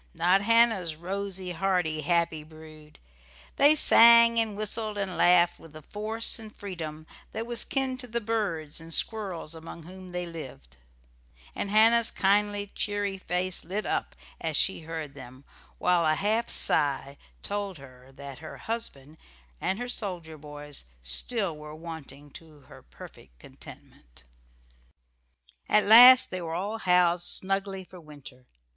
Not Hannah's rosy, hearty, happy brood. They sang and whistled and laughed with a force and freedom that was kin to the birds and squirrels among whom they lived; and Hannah's kindly, cheery face lit up as she heard them, while a half sigh told that her husband and her soldier boys were still wanting to her perfect contentment. At last they were all housed snugly for winter.